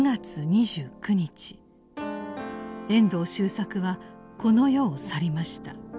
遠藤周作はこの世を去りました。